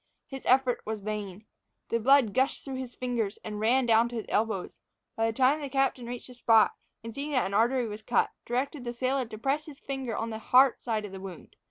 His effort was in vain. The blood gushed through his fingers, and ran down to his elbows. By this time the captain reached the spot, and seeing that an artery was cut, directed the sailor to press with his finger on the heart side of the wound.